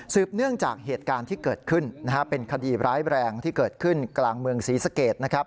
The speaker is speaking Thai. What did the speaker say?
เนื่องจากเหตุการณ์ที่เกิดขึ้นเป็นคดีร้ายแรงที่เกิดขึ้นกลางเมืองศรีสเกตนะครับ